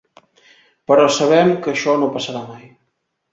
Però sabem que això no passarà mai.